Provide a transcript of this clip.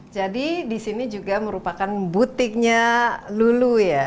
jadi di sini juga merupakan butiknya lulu ya